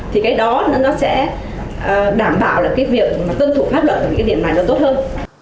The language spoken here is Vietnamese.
thì cái đó nó sẽ đảm bảo việc dân thủ pháp luật ở những điểm này nó tốt hơn